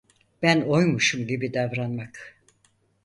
Ben oymuşum gibi davranmak.